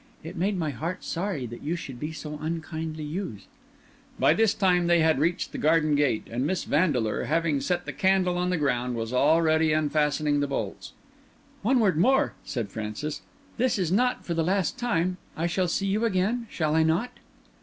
It made my heart sorry that you should be so unkindly used." By this time they had reached the garden gate; and Miss Vandeleur, having set the candle on the ground, was already unfastening the bolts. "One word more," said Francis. "This is not for the last time—I shall see you again, shall I not?"